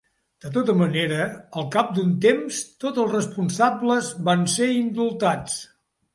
De tota manera, al cap d'un temps, tots els responsables van ser indultats.